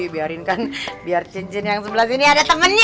biarin kan biar cincin yang sebelah sini ada temennya